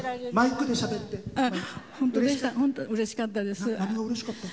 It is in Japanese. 本当にうれしかったです。